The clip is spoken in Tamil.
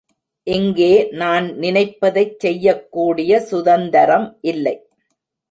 இங்கே நான் நினைப்பதைச் செய்யக்கூடிய சுதந்தரம் இல்லை.